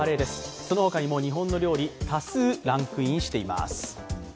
その他にも日本の料理、多数ランクインしています。